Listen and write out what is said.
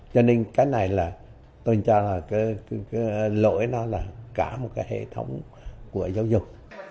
cho nên cái này là tôi cho là cái lỗi nó là cả một cái hệ thống của giáo dục